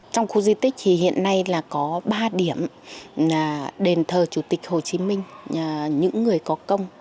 trong khu di tích thì hiện nay là có ba điểm đền thờ chủ tịch hồ chí minh những người có công